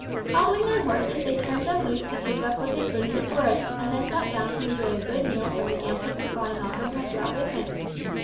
Hobbling their horses, they turned them loose to pick up what they could in the forest, and then sat down to enjoy a good meal from the ample supply Malcolm had brought with him.